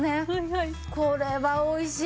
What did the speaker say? これは美味しい。